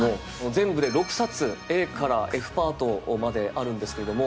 全部で６冊ＡからＦパートまであるんですけども。